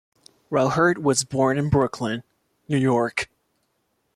Raucher was born in Brooklyn, New York.